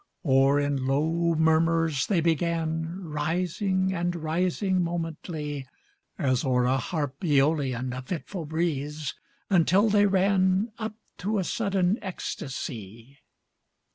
Or in low murmurs they began, Rising and rising momently, As o'er a harp Æolian A fitful breeze, until they ran Up to a sudden ecstasy.